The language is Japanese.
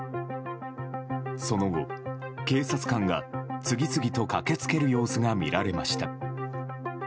その後、警察官が次々と駆け付ける様子が見られました。